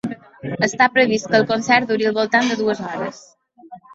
Està previst que el concert duri al voltant de dues hores.